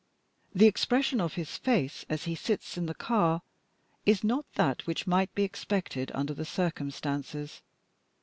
The expression of his face as he sits in the car is not that which might be expected under the circumstances.